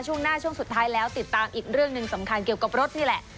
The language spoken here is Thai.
ช่วงหน้าช่วงสุดท้ายแล้วติดตามอีกเรื่องหนึ่งสำคัญเกี่ยวกับรถนี่แหละ